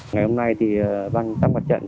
ngày hôm nay thì bang tám bạch trận